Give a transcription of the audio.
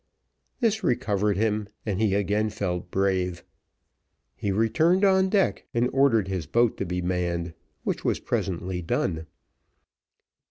This recovered him, and he again felt brave. He returned on deck, and ordered his boat to be manned, which was presently done.